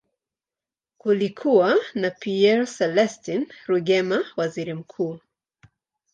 Kulikuwa na Pierre Celestin Rwigema, waziri mkuu.